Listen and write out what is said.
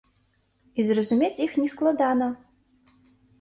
І зразумець іх нескладана.